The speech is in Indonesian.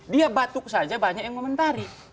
dia batuk saja banyak yang komentari